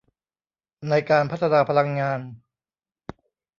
ในการพัฒนาพลังงาน